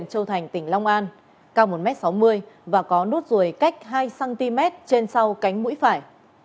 cao một m sáu mươi da ngăm đen sống mũi gãy